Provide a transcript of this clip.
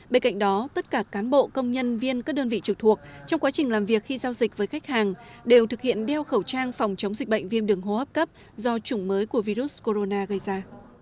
bên cạnh đó tất cả cán bộ công nhân viên các đơn vị trực thuộc trong quá trình làm việc khi giao dịch với khách hàng đều thực hiện đeo khẩu trang phòng chống dịch bệnh viêm đường hô hấp cấp do chủng mới của virus corona gây ra